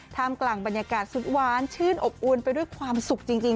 กลางบรรยากาศสุดหวานชื่นอบอวนไปด้วยความสุขจริง